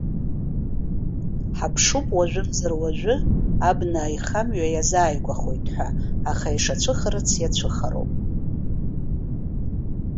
Ҳаԥшуп уажәымзар-уажәы абна аихамҩа иазааигәахоит ҳәа, аха ишацәыхарац иацәыхароуп.